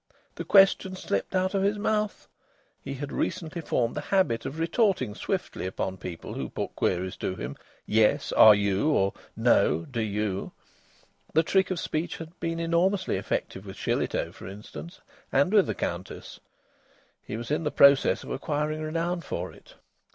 The question slipped out of his mouth. He had recently formed the habit of retorting swiftly upon people who put queries to him: "Yes, are you?" or "No, do you?" The trick of speech had been enormously effective with Shillitoe, for instance, and with the Countess. He was in process of acquiring renown for it.